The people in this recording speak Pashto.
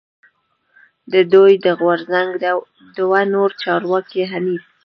د دوی د غورځنګ دوه نور چارواکی حنیف